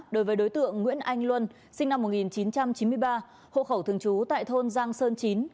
đối với đối tượng nguyễn anh luân sinh năm một nghìn chín trăm chín mươi ba hộ khẩu thường trú tại thôn giang sơn chín